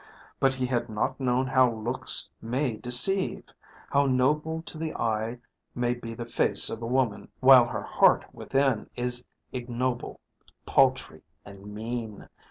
But he had not known how looks may deceive, how noble to the eye may be the face of a woman while her heart within is ignoble, paltry, and mean.